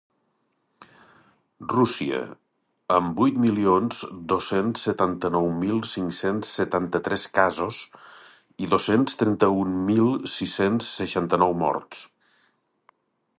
Rússia, amb vuit milions dos-cents setanta-nou mil cinc-cents setanta-tres casos i dos-cents trenta-un mil sis-cents seixanta-nou morts.